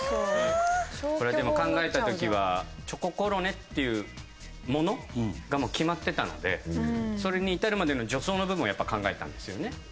これでも考えた時は「チョココロネ」っていうものがもう決まってたのでそれに至るまでの助走の部分をやっぱ考えたんですよね。